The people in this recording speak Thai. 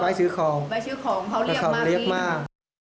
ไปซื้อของเขาเรียกมาก